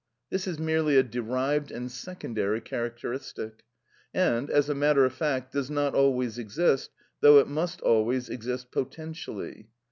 This is merely a derived and secondary characteristic, and, as a matter of fact, does not always exist, though it must always exist potentially.